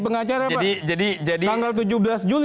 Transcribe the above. pengacara pak jadi jadi tanggal tujuh belas juli